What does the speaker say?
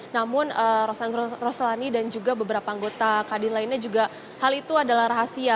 namun roslani dan juga beberapa anggota kadin lainnya juga hal itu adalah rahasia